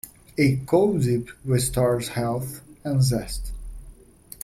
A cold dip restores health and zest.